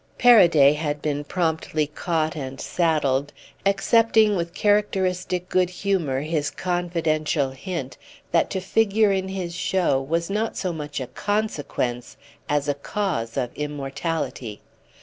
Paraday had been promptly caught and saddled, accepting with characteristic good humour his confidential hint that to figure in his show was not so much a consequence as a cause of immortality.